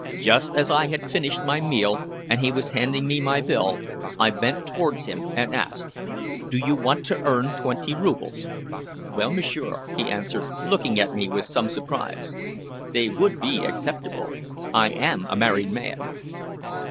Just as I had finished my meal, and he was handing me my bill, I bent towards him and asked "Do you want to earn twenty roubles?" "Well, m'sieur," he answered, looking at me with some surprise. "They would be acceptable. I am a married man."